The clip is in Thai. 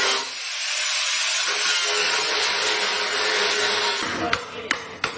อันดับที่สุดท้ายก็จะเป็น